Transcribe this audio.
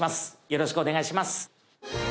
よろしくお願いします